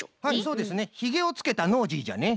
ヒゲをつけたノージーじゃね。